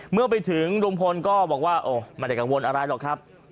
เมื่อไปถึงลุงพลก็บอกว่าโอ้ไม่ได้กังวลอะไรหรอกครับ